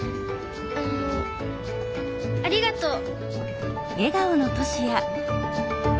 あのありがとう。